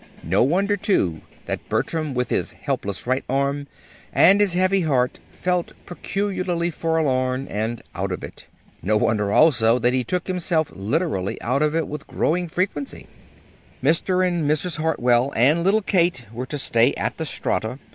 No wonder, too, that Bertram, with his helpless right arm, and his heavy heart, felt peculiarly forlorn and "out of it." No wonder, also, that he took himself literally out of it with growing frequency. Mr. and Mrs. Hartwell and little Kate were to stay at the Strata.